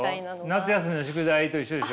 夏休みの宿題と一緒でしょ？